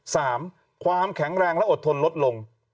สามความแข็งแรงและอดทนลดลง